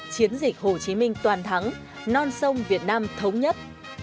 chiến dịch hồ chí minh toàn thắng non sông việt nam thống nhất